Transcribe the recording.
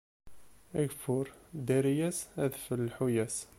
Ageffur, ddari-yas; adfel, lḥu-yas.